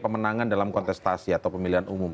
pemenangan dalam kontestasi atau pemilihan umum